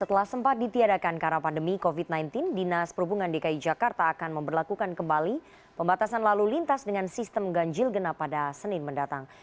setelah sempat ditiadakan karena pandemi covid sembilan belas dinas perhubungan dki jakarta akan memperlakukan kembali pembatasan lalu lintas dengan sistem ganjil genap pada senin mendatang